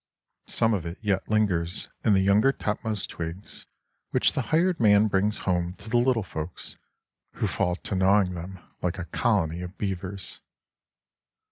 Some of it yet lingers in the younger topmost twigs which the hired man brings home to the little folks, who fall to gnawing them like a colony of beavers.